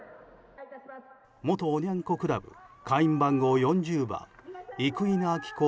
元おニャン子クラブ会員番号４０番生稲晃子